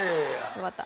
よかった。